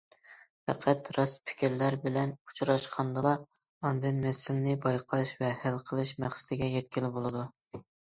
پەقەت راست پىكىرلەر بىلەن ئۇچراشقاندىلا، ئاندىن مەسىلىنى بايقاش ۋە ھەل قىلىش مەقسىتىگە يەتكىلى بولىدۇ.